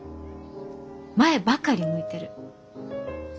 前ばかり向いてる。